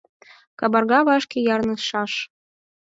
Кабарга вашке ярнышаш.